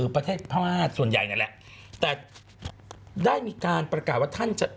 ประเทศพม่าส่วนใหญ่นั่นแหละแต่ได้มีการประกาศว่าท่านจะ